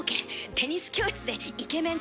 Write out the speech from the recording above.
テニス教室でイケメン